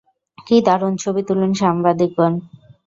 কি দারুন, ছবি তুলুন সাংবাদিকগন।